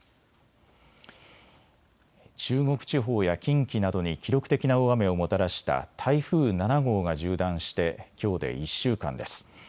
中国地方や近畿などに記録的な大雨をもたらした台風７号が縦断してきょうで１週間です。